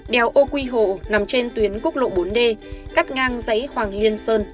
đèo ô quy hồ nằm trên tuyến cúc lộ bốn d cắt ngang dãy hoàng liên sơn